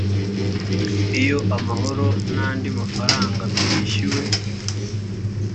iyo amahoro n andi mafaranga bitishyuwe